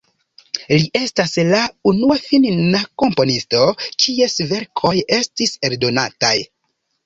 Li estas la unua finna komponisto, kies verkoj estis eldonataj.